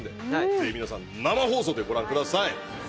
ぜひ皆さん生放送でご覧ください。